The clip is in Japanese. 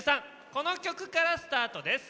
この曲からスタートです。